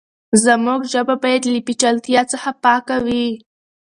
زموږ ژبه بايد له پېچلتيا څخه پاکه وي.